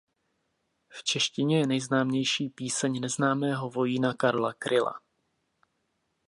V češtině je nejznámější "Píseň Neznámého vojína" Karla Kryla.